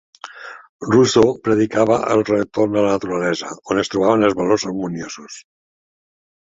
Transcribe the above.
Rousseau predicava el retorn a la naturalesa, on es trobaven els valors harmoniosos.